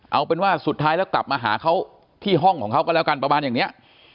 เอาเป็นว่าสุดท้ายแล้วกลับมาหาเขาที่ห้องของเขาก็แล้วกันประมาณอย่างนี้